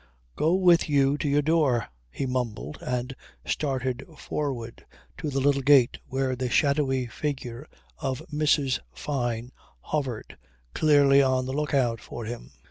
"Go with you to your door," he mumbled and started forward to the little gate where the shadowy figure of Mrs. Fyne hovered, clearly on the lookout for him.